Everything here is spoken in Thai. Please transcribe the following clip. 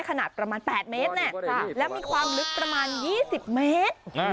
ขนาดประมาณแปดเมตรและมีความลึกประมาณยี่สิบเมตร